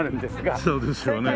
そうですよね。